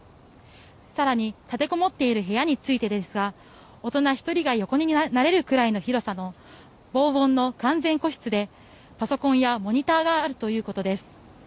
更に、立てこもっている部屋についてですが大人１人が横になれるくらいの広さの防音の完全個室でパソコンやモニターがあるということです。